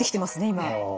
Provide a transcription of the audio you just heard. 今。